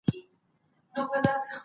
ایا مسلکي بڼوال وچه میوه اخلي؟